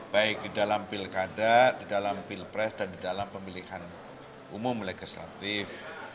baik di dalam pil kada di dalam pil pres dan di dalam pemilihan umum legislatif